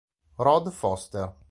Rod Foster